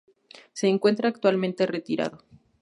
Se encuentra actualmente retirado.